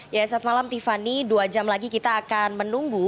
ya saat malam tiffany dua jam lagi kita akan menunggu